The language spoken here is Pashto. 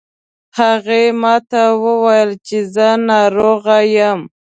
هغې ما ته وویل چې زه ناروغه یم